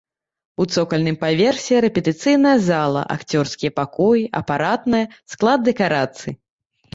У цокальным паверсе рэпетыцыйная зала, акцёрскія пакоі, апаратная, склад дэкарацый.